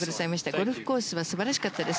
ゴルフコースは素晴らしかったです。